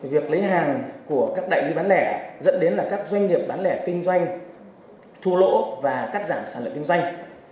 việc lấy hàng của các đại lý bán lẻ dẫn đến là các doanh nghiệp bán lẻ kinh doanh thu lỗ và cắt giảm sản lượng kinh doanh